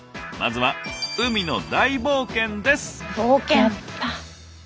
まずは「海の大冒険」です。